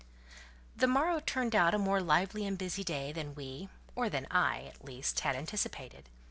The morrow turned out a more lively and busy day than we—or than I, at least—had anticipated.